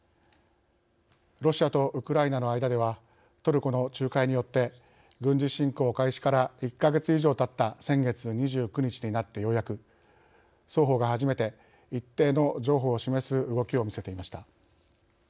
ロシアとウクライナの間ではトルコの仲介によって軍事侵攻開始から１か月以上たった先月２９日になって、ようやく双方が初めて一定の譲歩を示す動きを見せていました。